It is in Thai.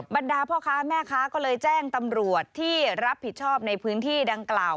บรรดาพ่อค้าแม่ค้าก็เลยแจ้งตำรวจที่รับผิดชอบในพื้นที่ดังกล่าว